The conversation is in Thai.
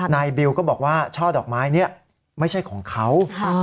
บิวก็บอกว่าช่อดอกไม้นี้ไม่ใช่ของเขา